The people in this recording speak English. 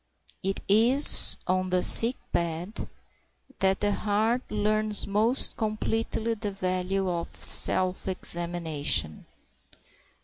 It is on the sick bed that the heart learns most completely the value of self examination.